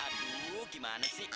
aduh gimana sih